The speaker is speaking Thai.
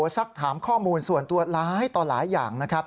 สักถามข้อมูลส่วนตัวร้ายต่อหลายอย่างนะครับ